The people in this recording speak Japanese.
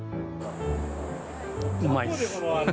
うまいっす。